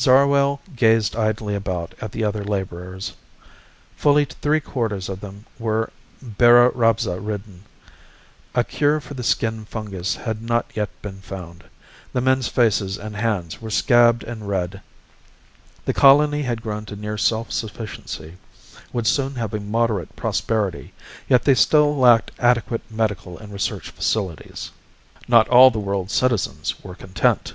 Zarwell gazed idly about at the other laborers. Fully three quarters of them were beri rabza ridden. A cure for the skin fungus had not yet been found; the men's faces and hands were scabbed and red. The colony had grown to near self sufficiency, would soon have a moderate prosperity, yet they still lacked adequate medical and research facilities. Not all the world's citizens were content.